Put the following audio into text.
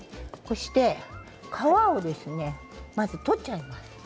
皮をまず取っちゃいます。